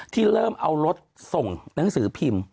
ที่เริ่มเอารถส่งหนังสือพิมพ์